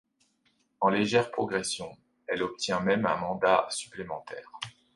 En légère progression, elle obtient même un mandat supplémentaire.